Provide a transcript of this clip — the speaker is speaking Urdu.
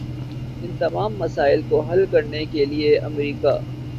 ان تمام مسائل کو حل کرنے کے لیے امریکہ